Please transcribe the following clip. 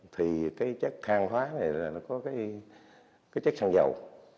thì cái chất hàng hóa này là nó có cái chất xăng dầu